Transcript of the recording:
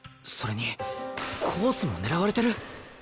それにコースも狙われてる。